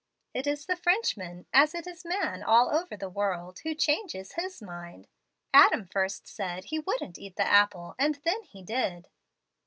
"It is the Frenchman, as it is man all over the world, who changes his mind. Adam first said he wouldn't eat the apple, and then he did!"